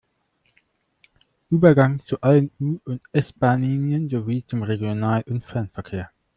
Übergang zu allen U- und S-Bahnlinien sowie zum Regional- und Fernverkehr.